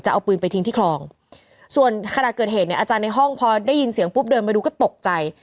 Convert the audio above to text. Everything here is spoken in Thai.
เอาปืนไปทิ้งที่คลองส่วนขณะเกิดเหตุเนี่ยอาจารย์ในห้องพอได้ยินเสียงปุ๊บเดินไปดูก็ตกใจ